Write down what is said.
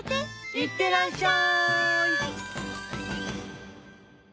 いってらっしゃい！